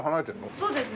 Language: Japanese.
そうですね。